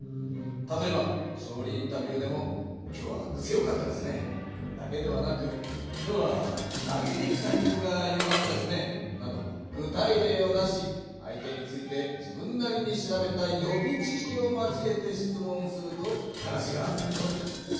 たとえば勝りインタビューでも「今日は強かったですね」だけではなく「今日は投げにいくタイミングがよかったですね」など具体れいを出し相手について自分なりに調べた予備知識を交えて質問すると話がはずむぞ。